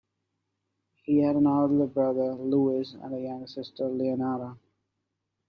He had an older brother, Louis, and a younger sister, Leonora.